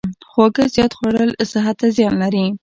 خواږه زیات خوړل صحت ته زیان لري.